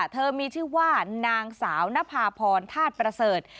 เธอมีชื่อว่านางสาวนภาพรธาตุประเสริฐ